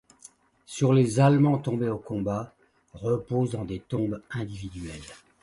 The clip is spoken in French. Sur les allemands tombés au combat, reposent dans des tombes individuelles.